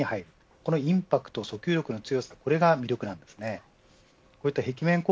このインパクト訴求力の強さが魅力なんですね。